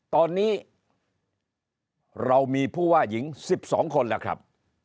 ตอนนี้เรามีผู้ว่าหญิง๑๒คนแล้วครับ